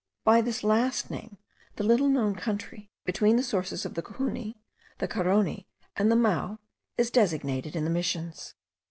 By this last name the little known country, between the sources of the Cujuni, the Caroni, and the Mao, is designated in the Missions.